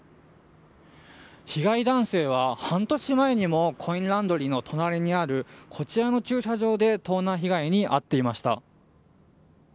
被害男性は半年前にもコインランドリーの隣にあるこちらの駐車場で盗難被害に遭っていました。